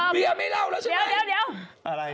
เวียไม่เล่าแล้วใช่ไหม